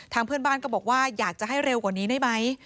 เพื่อนบ้านก็บอกว่าอยากจะให้เร็วกว่านี้ได้ไหม